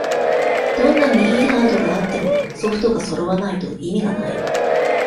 どんなに良いハードがあってもソフトがそろわないと意味がない